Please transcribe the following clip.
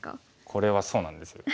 これはそうなんですよ。